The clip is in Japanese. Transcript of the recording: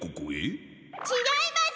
ちがいます！